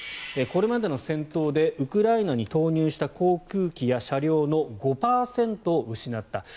これまでの戦闘でウクライナに投入した航空機や車両の５％を失った。